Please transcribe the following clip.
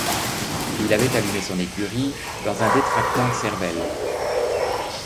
Il avait allumé son écurie, dans un détraquement de cervelle.